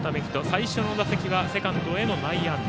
最初の打席はセカンドへの内野安打。